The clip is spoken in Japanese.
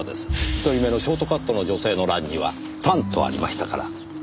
一人目のショートカットの女性の欄には「短」とありましたから。